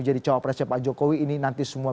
jadi cowok presnya pak jokowi ini nanti semua